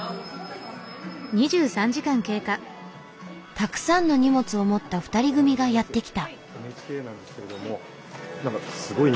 たくさんの荷物を持った２人組がやって来た。